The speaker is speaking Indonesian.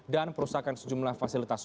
dan perusahaan sejumlah fasilitas